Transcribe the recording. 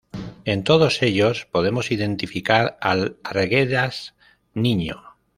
En todos ellos podemos identificar al Arguedas-niño.